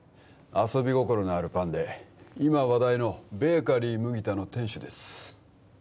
遊び心のあるパンで今話題のベーカリー麦田の店主です